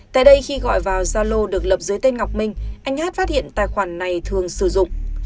tại đây khi gọi vào gia lô được lập dưới tên ngọc minh anh hát phát hiện tài khoản này thường sử dụng